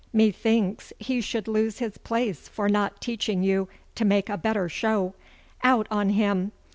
'Methinks he should lose his place for not teaching you to make a better show. Out on him!